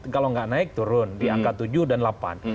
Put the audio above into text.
kalau nggak naik turun di angka tujuh dan delapan